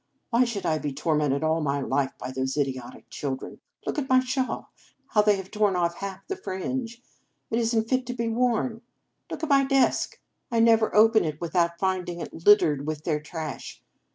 Why should I be tormented all my life by these idiotic children? Look at my shawl, how they have torn off half the fringe. It is n t fit to be worn. Look at my desk! I never open it without finding it littered with their trash.